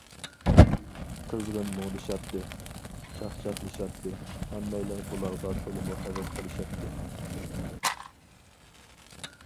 قىزغىن مۇڭدىشاتتى، چاقچاقلىشاتتى، ھەممەيلەن بۇلارغا تولىمۇ ھەۋەس قىلىشاتتى.